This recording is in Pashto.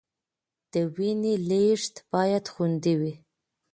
د وینې لیږد باید خوندي وي.